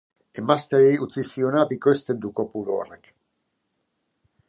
Hala ere, emazteari utzi ziona bikoizten du kopuru horrek.